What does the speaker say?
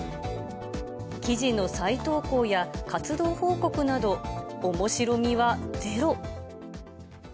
記事の再投稿や活動報告など、面白みはゼロ。